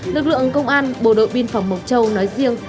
lực lượng công an bộ đội biên phòng mộc châu nói riêng